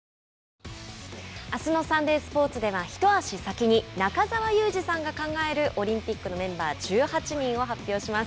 あすのサンデースポーツでは一足先に中澤佑二さんが考えるオリンピックのメンバー１８人を発表します。